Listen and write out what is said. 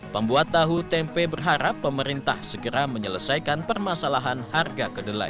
pembuat tahu tempe berharap pemerintah segera menyelesaikan permasalahan harga kedelai